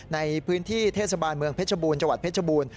ในพื้นที่เทศบาลเมืองเพชรบูรณ์จังหวัดเพชรบูรณ์